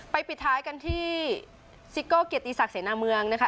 ปิดท้ายกันที่ซิโก้เกียรติศักดิเสนาเมืองนะคะ